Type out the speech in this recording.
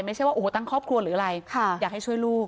ไม่ใช่ว่าโอ้โหตั้งครอบครัวหรืออะไรอยากให้ช่วยลูก